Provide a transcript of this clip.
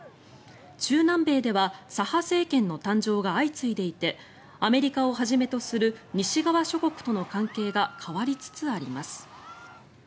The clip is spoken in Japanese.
中南米では左派政権の誕生が相次いでいてアメリカをはじめとする西側諸国との関係が変わりつつあります。